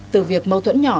từ việc mâu thuẫn nhỏ